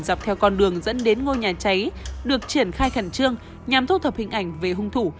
dọc theo con đường dẫn đến ngôi nhà cháy được triển khai khẩn trương nhằm thu thập hình ảnh về hung thủ